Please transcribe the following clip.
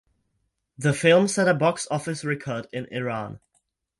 The film set a box-office record in Iran.